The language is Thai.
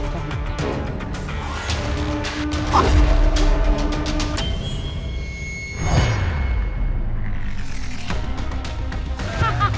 ฮ่าฮ่าฮ่า